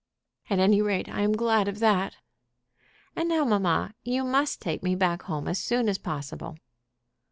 "At any rate I am glad of that." "And now, mamma, you must take me back home as soon as possible."